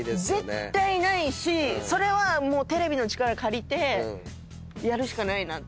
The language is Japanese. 絶対ないしそれはテレビの力借りてやるしかないなって。